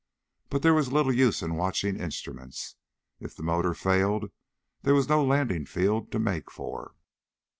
But there was little use in watching instruments. If the motor failed there was no landing field to make for.